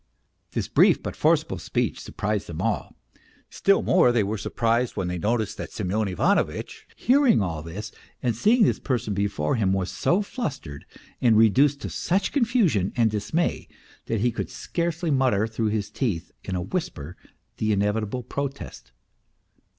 This brief but forcible speech surprised them all; still more were they surprised when they noticed that Semyon Ivanovitch, hearing all this and seeing this person before him, was so flustered and reduced to such confusion and dismay that he could scarcely mutter through his teeth in a whisper the inevitable protest